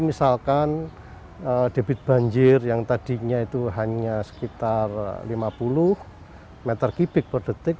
misalkan debit banjir yang tadinya itu hanya sekitar lima puluh meter kubik per detik